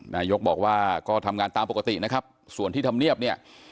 นายกบอกว่าก็ทำงานตามปกตินะครับส่วนที่ทำเนียบเนี่ย